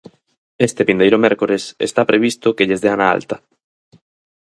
Este vindeiro mércores está previsto que lles dean a alta.